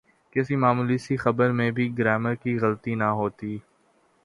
کسی معمولی سی خبر میں بھی گرائمر کی غلطی نہ ہوتی۔